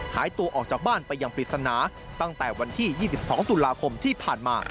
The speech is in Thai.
หายตัวออกจากบ้านไปอย่างปริศนาตั้งแต่วันที่๒๒ตุลาคมที่ผ่านมา